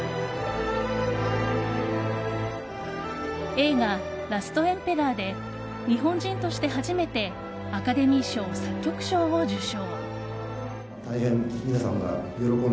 映画「ラストエンペラー」で日本人として初めてアカデミー賞作曲賞を受賞。